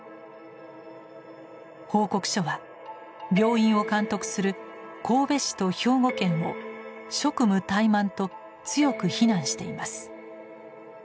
報告書は病院を監督する神戸市と兵庫県を「職務怠慢」と強く非難しています。